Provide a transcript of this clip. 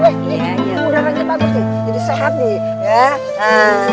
udaranya bagus sih jadi sehat nih ya